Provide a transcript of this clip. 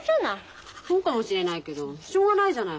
そうかもしれないけどしょうがないじゃない。